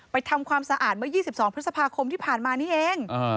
ทำความสะอาดเมื่อ๒๒พฤษภาคมที่ผ่านมานี้เอง